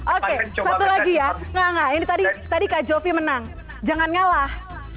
oke satu lagi ya tadi kak jofi menang jangan ngalah